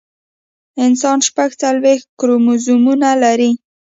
انسان شپږ څلوېښت کروموزومونه لري